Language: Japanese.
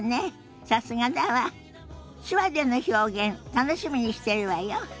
手話での表現楽しみにしてるわよ。